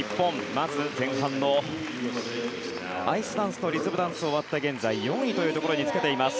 まず前半のアイスダンスリズムダンスが終わって現在４位につけています。